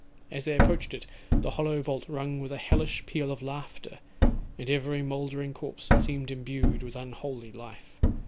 As they approached it, the hollow vault rung with a hellish peal of laughter; and every mouldering corpse seemed endued with unholy life.